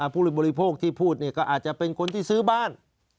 ผู้บริโภคที่พูดก็อาจจะเป็นคนที่ซื้อบ้าน